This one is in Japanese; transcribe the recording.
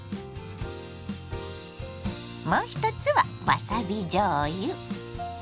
もう一つはわさびじょうゆ。